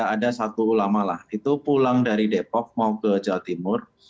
ada satu ulama lah itu pulang dari depok mau ke jawa timur